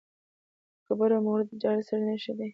تکبر او مغروري د جاهل سړي نښې دي.